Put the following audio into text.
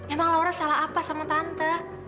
emang laura salah apa sama tante